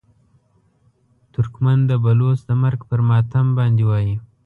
ترکمن د بلوڅ د مرګ پر ماتم باندې وایي.